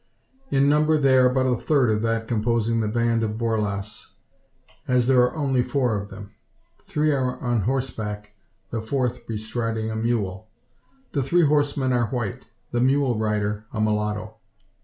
In number they are but a third of that composing the band of Borlasse; as there are only four of them. Three are on horseback, the fourth bestriding a mule. The three horsemen are white; the mule rider a mulatto.